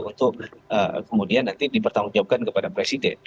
untuk kemudian nanti dipertanggungjawabkan kepada presiden